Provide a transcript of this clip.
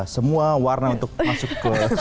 semua warna untuk masuk ke